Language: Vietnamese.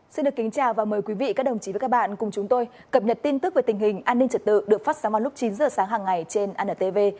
xin được kính chào và mời quý vị các đồng chí và các bạn cùng chúng tôi cập nhật tin tức về tình hình an ninh trật tự được phát sóng vào lúc chín h sáng hàng ngày trên antv